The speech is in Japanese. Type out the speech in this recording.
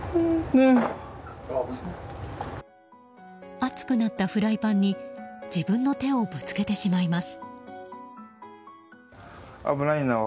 熱くなったフライパンに自分の手をぶつけてしまいます。